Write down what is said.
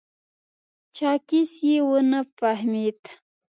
چاکېس یې و نه فهمېد.